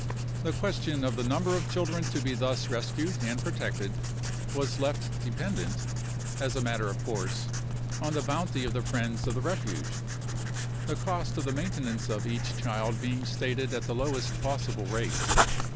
The question of the number of children to be thus rescued and protected was left dependent, as a matter of course, on the bounty of the friends of the Refuge, the cost of the maintenance of each child being stated at the lowest possible rate.